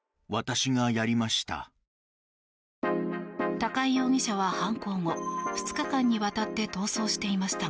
高井容疑者は犯行後２日間にわたって逃走していましたが